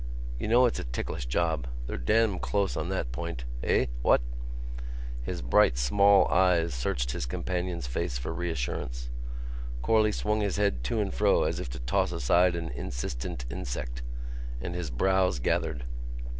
You know it's a ticklish job. They're damn close on that point. Eh?... What?" His bright, small eyes searched his companion's face for reassurance. Corley swung his head to and fro as if to toss aside an insistent insect, and his brows gathered.